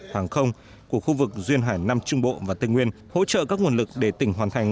hàng không của khu vực duyên hải nam trung bộ và tây nguyên hỗ trợ các nguồn lực để tỉnh hoàn thành